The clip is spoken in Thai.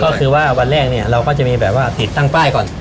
ก็คือว่าวันแรกเนี่ยเราก็จะมีแบบว่าติดตั้งป้ายก่อน